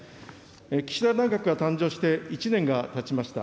岸田内閣が誕生して１年がたちました。